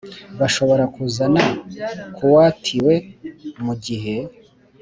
Bashobora kuzana ku uwatiwe mu gihe